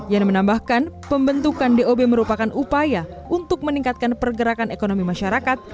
yan menambahkan pembentukan dob merupakan upaya untuk meningkatkan pergerakan ekonomi masyarakat